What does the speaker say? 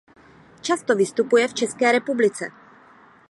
Často vystupuje v České republice.